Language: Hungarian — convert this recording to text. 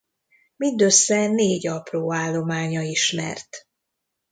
Mindössze négy apró állománya ismert.